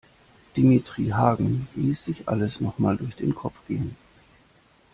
Dimitri Hagen ließ sich alles noch mal durch den Kopf gehen.